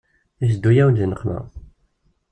Iteddu-yawen di nneqma.